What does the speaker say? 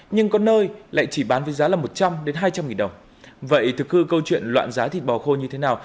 nhưng có nơi lại chỉ bán với giá là một trăm linh hai trăm linh nghìn đồng vậy thực hư câu chuyện loạn giá thịt bò khô như thế nào